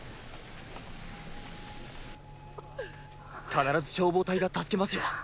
必ず消防隊が助けますよ。